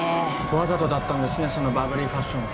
わざとだったんですねそのバブリーファッション。